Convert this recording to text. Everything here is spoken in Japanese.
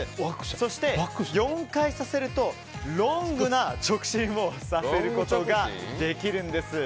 そして、４回させるとロングな直進をさせることができるんです。